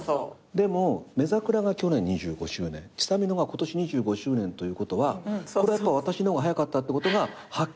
でもめざクラが去年２５周年チサミノが今年２５周年ということはこれやっぱ私の方が早かったってことがはっきりした。